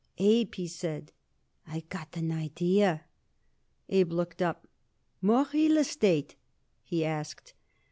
"Abe," he said, "I got an idea." Abe looked up. "More real estate?" he asked.